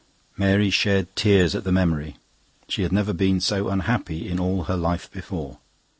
Mary shed tears at the memory; she had never been so unhappy in all her life before.